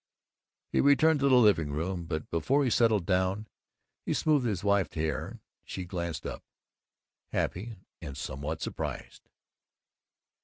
He returned to the living room but before he settled down he smoothed his wife's hair, and she glanced up, happy and somewhat surprised.